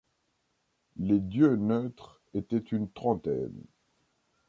Les dieux neutres étaient une trentaine.